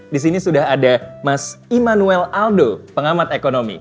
di sini sudah ada mas immanuel aldo pengamat ekonomi